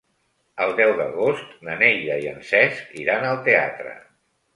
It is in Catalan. El deu d'agost na Neida i en Cesc iran al teatre.